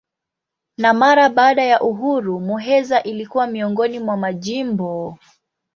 Na mara baada ya uhuru Muheza ilikuwa miongoni mwa majimbo.